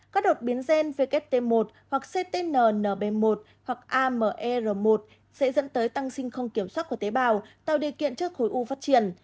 các đột biến gen wt một hoặc ctnnb một hoặc amer một sẽ dẫn tới tăng sinh không kiểm soát của tế bào tạo điều kiện cho khối u phát triển